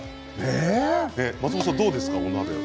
松本さんは、どうですか？